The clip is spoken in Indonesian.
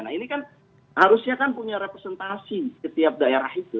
nah ini kan harusnya kan punya representasi setiap daerah itu